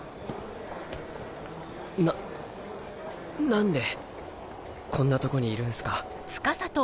な何でこんなとこにいるんすか？